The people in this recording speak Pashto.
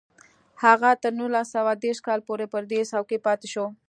هغه تر نولس سوه دېرش کال پورې پر دې څوکۍ پاتې شو